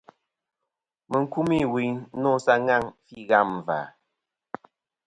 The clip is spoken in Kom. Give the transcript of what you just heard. Mɨ n-kumî wuyn nô sa ŋaŋ fî ghâm và..